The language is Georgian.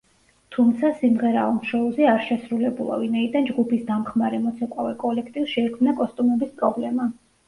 თუმცა, სიმღერა ამ შოუზე არ შესრულებულა, ვინაიდან ჯგუფის დამხმარე მოცეკვავე კოლექტივს შეექმნა კოსტუმების პრობლემა.